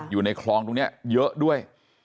อยู่ในคลองตรงนี้เยอะด้วย